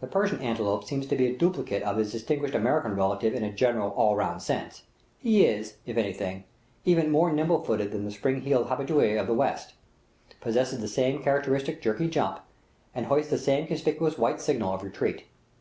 The Persian antelope seems to be a duplicate of his distinguished American relative in a general, all round sense; he is, if anything, even more nimble footed than the spring heeled habitue of the West, possesses the same characteristic jerky jump, and hoists the same conspicuous white signal of retreat.